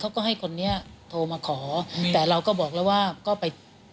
เขาก็ให้คนนี้โทรมาขอแต่เราก็บอกแล้วว่าก็ไป